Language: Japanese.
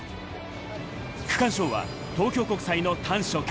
区間賞は東京国際の丹所健。